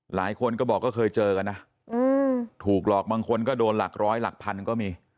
หลายคนก็บอกก็เคยเจอกันนะถูกหลอกบางคนก็โดนหลักร้อยหลักพันก็มี